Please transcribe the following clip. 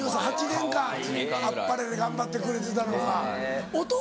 １３８年間『あっぱれ』で頑張ってくれてたのか。